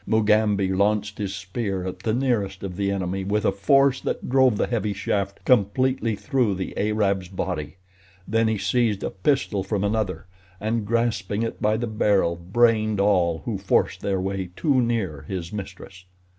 Mugambi launched his spear at the nearest of the enemy with a force that drove the heavy shaft completely through the Arab's body, then he seized a pistol from another, and grasping it by the barrel brained all who forced their way too near his mistress.